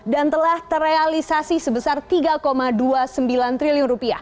dan telah terrealisasi sebesar rp tiga dua puluh sembilan triliun